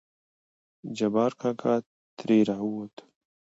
جبار کاکا ترې راووتو.